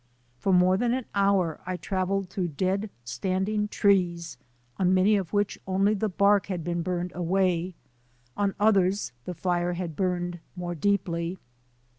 For more than an hour I travelled through dead standing trees, on many of which only the barb bad been burned away; on otbers the fire bad burned more deeply.